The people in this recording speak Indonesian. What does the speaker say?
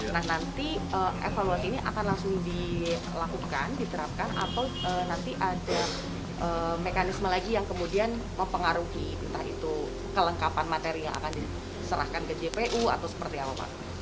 nah nanti evaluasi ini akan langsung dilakukan diterapkan atau nanti ada mekanisme lagi yang kemudian mempengaruhi entah itu kelengkapan materi yang akan diserahkan ke jpu atau seperti apa pak